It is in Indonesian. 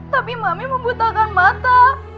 tapi mami membutakan mata